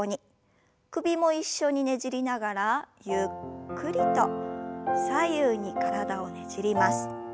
首も一緒にねじりながらゆっくりと左右に体をねじります。